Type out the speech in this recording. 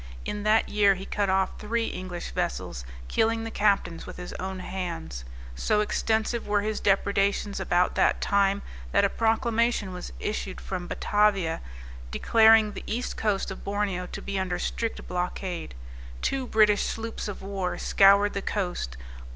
In that year he cut off three English vessels, killing the captains with his own hands. So extensive were his depredations about that time that a proclamation was issued from Batavia, declaring the east coast of Borneo to be under strict blockade. Two British sloops of war scoured the coast.